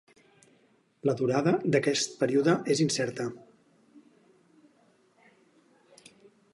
La durada d'aquest període és incerta.